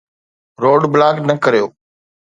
Road block نه ڪريو.